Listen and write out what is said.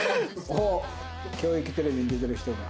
おっ教育テレビに出てる人が。